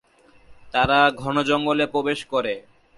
তারা ঘন জঙ্গলে প্রবেশ করে।